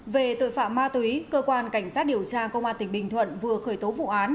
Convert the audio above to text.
về tội phạm ma túy cơ quan cảnh sát điều tra công an tỉnh bình thuận vừa khởi tố vụ án